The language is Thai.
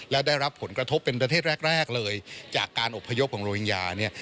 และได้รับผลกระทบเป็นประเทศแรกแรกเลยจากการอบพยพของโรฮิงญาเนี่ย